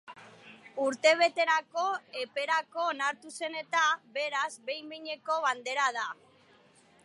Urtebeterako eperako onartu zen eta, beraz, behin-behineko bandera da.